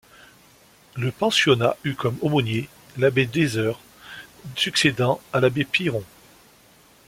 Le pensionnat eut comme aumônier l'abbé Desheures, succédant à l'abbé Piron.